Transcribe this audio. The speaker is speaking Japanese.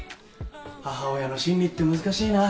母親の心理って難しいな。